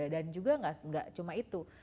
dan juga gak cuma itu